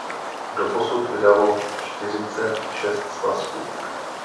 Doposud vydalo čtyřicet šest svazků.